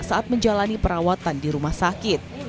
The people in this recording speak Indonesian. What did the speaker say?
saat menjalani perawatan di rumah sakit